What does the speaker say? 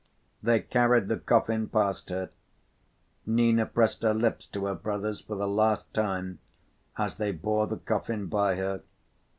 They carried the coffin past her. Nina pressed her lips to her brother's for the last time as they bore the coffin by her.